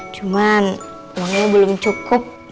cuman uangnya belum cukup